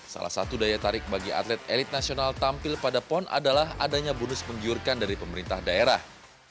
salah satu daya tarik bagi atlet elit nasional tampil pada pon adalah adanya bonus penggiurkan dari pemerintah daerah